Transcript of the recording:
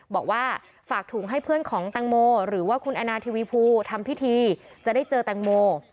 บอกว่าฝากถุงให้เพื่อนของแตงโมหรือว่าคุณแอนาทีวีภูทำพิธีจะได้เจอแตงโม